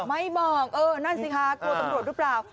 ไม่บอกเออนั่นสิคะกลัวตำรวจหรือเปล่า